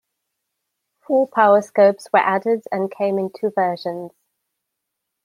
Four-power scopes were added, and came in two versions.